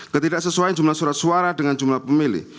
ketidaksesuaian jumlah surat suara dengan jumlah pemilih